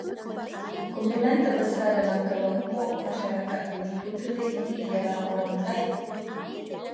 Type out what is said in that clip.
Kumpulan terbesar dalam kelompok masyarakat bumiputera ini ialah orang Melayu.